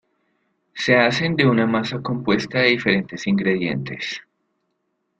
Se hacen de una masa compuesta de diferentes ingredientes.